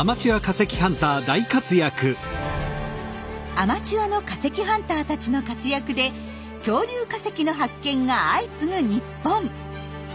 アマチュアの化石ハンターたちの活躍で恐竜化石の発見が相次ぐ日本。